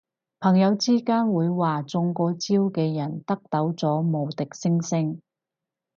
朋友之間會話中過招嘅人得到咗無敵星星